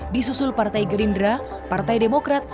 di susul partai gerindra partai demokrat